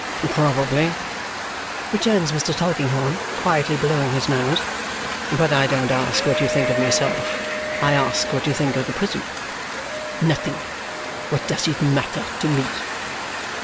"Probably," returns Mr. Tulkinghorn, quietly blowing his nose. "But I don't ask what you think of myself; I ask what you think of the prison." "Nothing. What does it matter to me?"